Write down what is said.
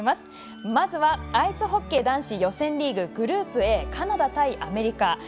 まずは、アイスホッケー男子予選リーググループＡ、カナダ対アメリカ。